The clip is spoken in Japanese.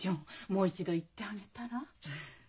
もう一度行ってあげたら？